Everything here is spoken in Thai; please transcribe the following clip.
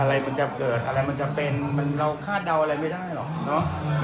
อะไรมันจะเกิดอะไรมันจะเป็นเราคาดเดาอะไรไม่ได้หรอกเนอะ